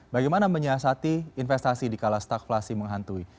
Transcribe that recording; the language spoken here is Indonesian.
bagaimana menyiasati investasi dikala stakflasi menghantui